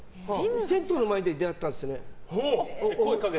銭湯の前で出会ったんですよね。